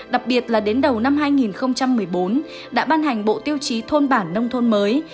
đặc biệt là đến đầu năm hai nghìn một mươi bốn đã ban hành bộ tiêu chí thôn bản nông thôn mới